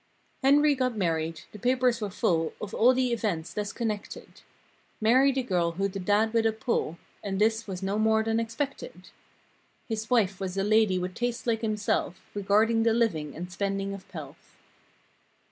* m m Henry got married. The papers were full Of all the events, thus connected. Married a girl who'd a dad with a pull— (And this was no more than expected) His wife was a lady with tastes like himself. Regarding the living and spending of pelf.